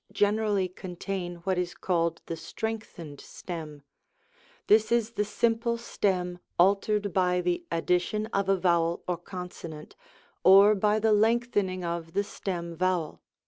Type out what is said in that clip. generally contain what is called the strengthened stem ; this is the simple stem altered by the addition of a vowel or consonant, or by the lengthening of the stem vowel.